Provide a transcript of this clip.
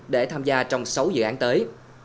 để tham gia trong sáu dự án tới